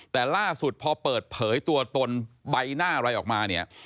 แต่ล่าสุดพอเปิดเผยตัวตนใบหน้าอะไรออกมาเนี่ย